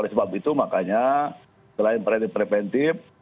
oleh sebab itu makanya selain preventive preventive